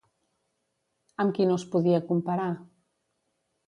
Amb qui no es podia comparar?